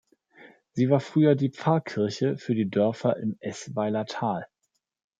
Sie war früher die Pfarrkirche für die Dörfer im Eßweiler Tal.